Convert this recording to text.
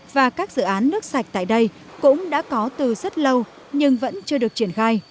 và các dự án nước sạch tại đây cũng đã có từ rất lâu nhưng vẫn chưa được triển khai